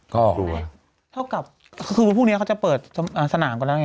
ก็กลัวเท่ากับคือวันพรุ่งนี้เขาจะเปิดสนามกันแล้วไง